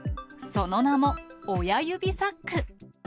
その名も、親指サック。